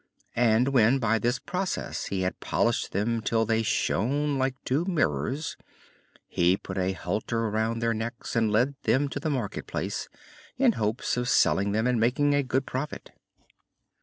And when by this process he had polished them till they shone like two mirrors, he put a halter round their necks and led them to the market place, in hopes of selling them and making a good profit.